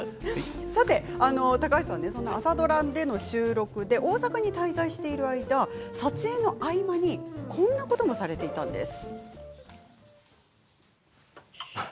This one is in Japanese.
高橋さん、朝ドラでの収録で大阪に滞在している間撮影の合間に、こんなことをされていました。